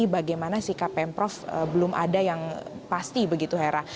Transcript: bagaimana sikap pemprov belum ada yang pasti begitu hera